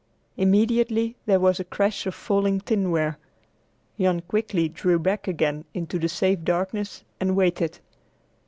Immediately there was a crash of falling tinware. Jan quickly drew back again into the safe darkness and waited.